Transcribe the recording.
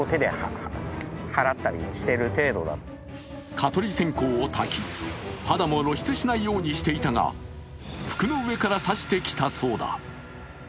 蚊取り線香をたき、肌も露出しないようにしていたが服の上から刺してきたそうだ。